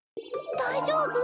大丈夫？